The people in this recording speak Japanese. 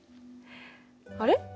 あれ？